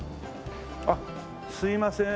あっすいません。